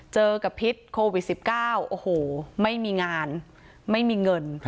เจอกับพิษโควิด๑๙โอ้โหไม่มีงานไม่มีเงิน